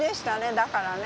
だからね。